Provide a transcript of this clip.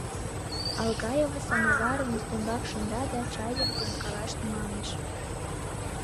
Алгаева самоварым ӱстембак шында да чайым темкалаш тӱҥалеш.